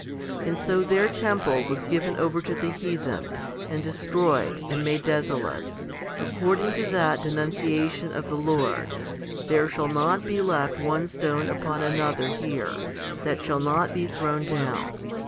And so their temple was given over to the heathen and destroyed and made desolate, according to that denuntiation of the Lord, There shall not be left one stone upon another here, that shall not be thrown down.